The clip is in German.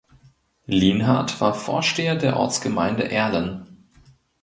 Lienhard war Vorsteher der Ortsgemeinde Erlen.